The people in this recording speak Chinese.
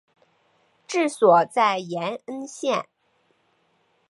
治所在延恩县。